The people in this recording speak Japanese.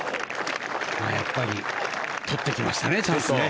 やっぱり取ってきましたねちゃんとね。